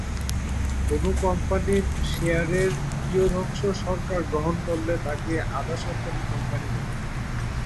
কোনো কোম্পানির শেয়ারের কিয়দংশ সরকার গ্রহণ করলে তাকে আধা-সরকারি কোম্পানি বলে।